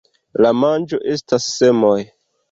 La manĝo estas semoj.